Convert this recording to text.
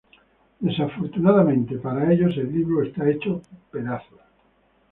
Desafortunadamente para ellos, el libro está hecho pedazos.